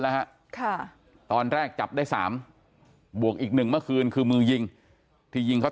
แล้วฮะค่ะตอนแรกจับได้๓บวกอีกหนึ่งเมื่อคืนคือมือยิงที่ยิงเขา